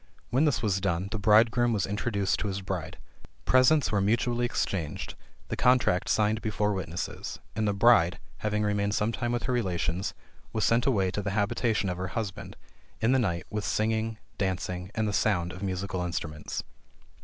When this was done, the bridegroom was introduced to his bride. Presents were mutually exchanged, the contract signed before witnesses, and the bride, having remained sometime with her relations, was sent away to the habitation of her husband, in the night, with singing, dancing, and the sound of musical instruments."